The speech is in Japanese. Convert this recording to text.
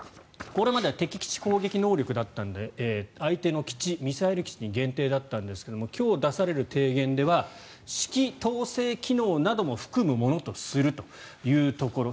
これまでは敵基地攻撃能力だったので相手のミサイル基地に限定だったんですが今日、出される提言では指揮統制機能なども含むものとするというところ。